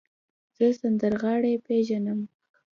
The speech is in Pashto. زه سندرغاړی پیژنم.